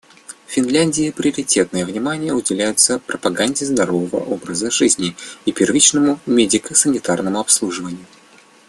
В Финляндии приоритетное внимание уделяется пропаганде здорового образа жизни и первичному медико-санитарному обслуживанию.